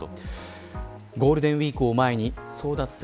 ゴールデンウイークを前に争奪戦。